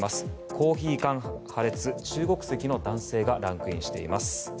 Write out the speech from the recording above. コーヒー缶破裂、中国籍の男性がランクインしています。